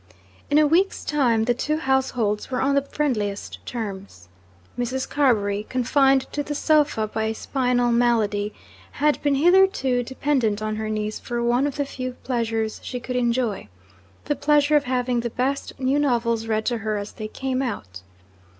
In a week's time, the two households were on the friendliest terms. Mrs. Carbury, confined to the sofa by a spinal malady, had been hitherto dependent on her niece for one of the few pleasures she could enjoy, the pleasure of having the best new novels read to her as they came out.